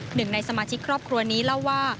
หนึ่งในสมาชิกครอบครัวนี้เล่าว่า